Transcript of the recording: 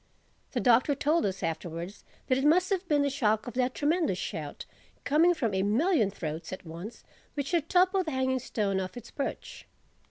The Doctor told us afterwards that it must have been the shock of that tremendous shout, coming from a million throats at once, which had toppled the Hanging Stone off its perch.